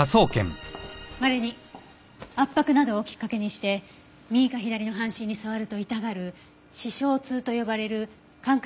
まれに圧迫などをきっかけにして右か左の半身に触ると痛がる視床痛と呼ばれる感覚